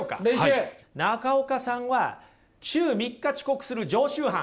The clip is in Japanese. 中岡さんは週３日遅刻する常習犯。